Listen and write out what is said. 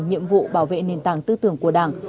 nhiệm vụ bảo vệ nền tảng tư tưởng của đảng